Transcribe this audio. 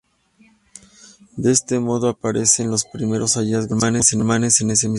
De este modo aparecen los primeros hallazgos musulmanes en ese mismo año.